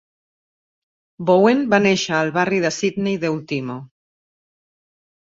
Bowen va néixer al barri de Sydney de Ultimo.